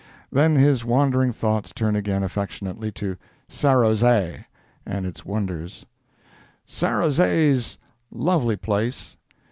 Then his wandering thoughts turn again affectionately to "Sarrozay" and its wonders: "Sarrozay's lovely place.